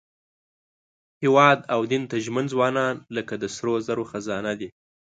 هېواد او دین ته ژمن ځوانان لکه د سرو زرو خزانه دي.